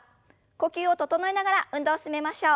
呼吸を整えながら運動を進めましょう。